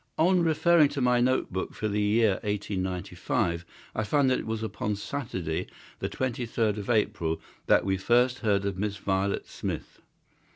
On referring to my note book for the year 1895 I find that it was upon Saturday, the 23rd of April, that we first heard of Miss Violet Smith.